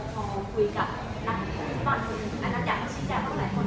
พอคุยกับนักผู้ชีวิตก่อน